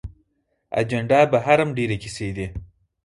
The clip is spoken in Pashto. اجندا بهر هم ډېرې کیسې دي.